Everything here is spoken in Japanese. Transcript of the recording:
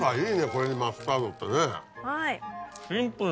これにマスタードってね。